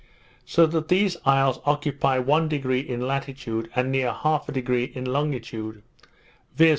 So that these isles occupy one degree in latitude, and near half a degree in longitude, viz.